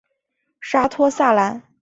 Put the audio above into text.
沙托萨兰。